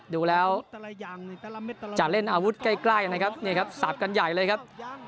ดูแล้วจะเล่นอาวุธใกล้นะครับนี่ครับสับกันใหญ่เลยครับ